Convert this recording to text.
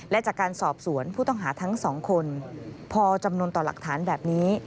และจากการสอบสวนผู้ต้องหาทั้งสองคนพอจำนวนต่อหลักฐานแบบนี้